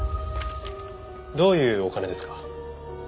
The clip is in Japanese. どういうお金ですか？